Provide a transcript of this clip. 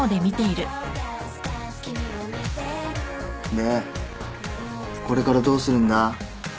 でこれからどうするんだ？